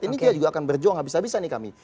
ini kita juga akan berjuang habis habisan nih kami